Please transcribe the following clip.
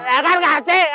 eh kan gak sih